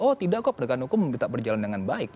oh tidak kok pendekatan hukum minta berjalan dengan baik